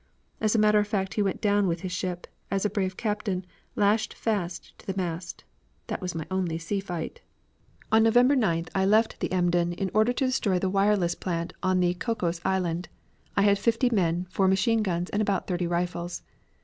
As a matter of fact he went down with his ship, as a brave captain, lashed fast to the mast. That was my only sea fight. "On November 9th I left the Emden in order to destroy the wireless plant on the Cocos Island. I had fifty men, four machine guns and about thirty rifles.